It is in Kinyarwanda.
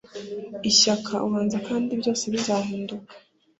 Ishyaka ubanza kandi byose bizahinduka.”